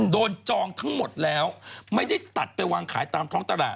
จองทั้งหมดแล้วไม่ได้ตัดไปวางขายตามท้องตลาด